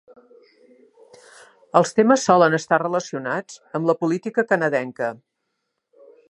Els temes solen estar relacionats amb la política canadenca.